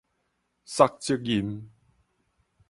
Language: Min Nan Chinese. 捒責任